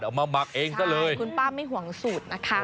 เอามาหมักเองซะเลยคุณป้าไม่ห่วงสูตรนะคะ